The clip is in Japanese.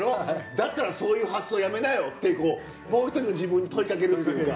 だったらそういう発想やめなよ」ってこうもう１人の自分に問いかけるというか。